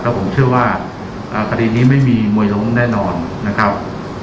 ผมเชื่อว่าคดีนี้ไม่มีมวยล้มแน่นอนนะครับ